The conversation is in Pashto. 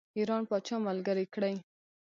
ایران پاچا ملګری کړي.